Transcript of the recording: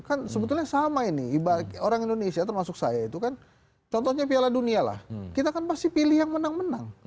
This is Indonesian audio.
kan sebetulnya sama ini orang indonesia termasuk saya itu kan contohnya piala dunia lah kita kan pasti pilih yang menang menang